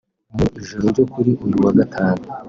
Mu ijoro ryo kuri uyu wa Gatanu